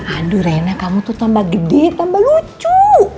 aduh raina kamu tuh tambah gede tambah lucu